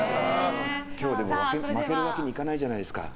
今日、負けるわけにいかないじゃないですか。